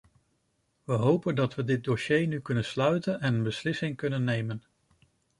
We hopen dat we dit dossier nu kunnen sluiten en een beslissing kunnen nemen.